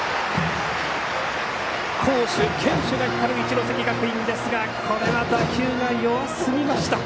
好守、堅守が光る一関学院ですがこれは打球弱すぎました。